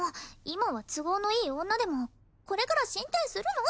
今は都合のいい女でもこれから進展するの！